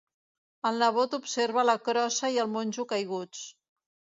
El nebot observa la crossa i el monjo caiguts.